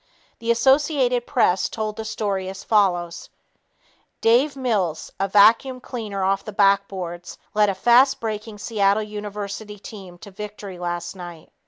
The Associated Press told the story as follows: "Dave Mills, a vacuum cleaner off the back boards, led a fast breaking Seattle University team to victory last night.